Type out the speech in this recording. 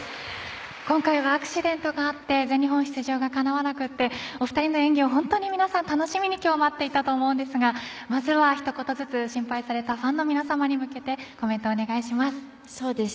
今回はアクシデントがあって全日本出場がかなわなくてお二人の演技を本当に皆さん楽しみに今日を待っていたと思うんですがまずは、ひと言ずつ心配されたファンの皆様に向けてコメントお願いします。